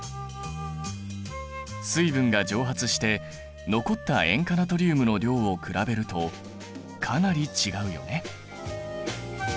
水分が蒸発して残った塩化ナトリウムの量を比べるとかなり違うよね。